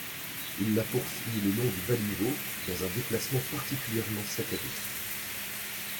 Il la poursuit le long du baliveau dans un déplacement particulièrement saccadé.